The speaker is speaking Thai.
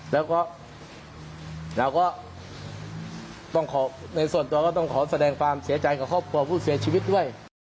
แล้วก็เราก็ต้องขอในส่วนตัวก็ต้องขอแสดงความเสียใจกับครอบครัวผู้เสียชีวิตด้วย